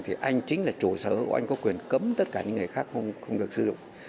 thì anh chính là chủ sở anh có quyền cấm tất cả những người khác không được sử dụng